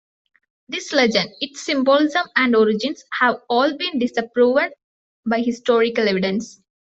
This legend, it's symbolism and origins, have all been disproven by historical evidence.